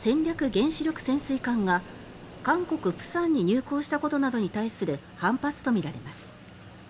原子力潜水艦が韓国・釜山に入港したことなどに対する反発とみられます。